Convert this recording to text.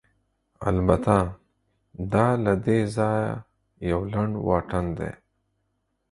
البته، دا له دې ځایه یو لنډ واټن دی.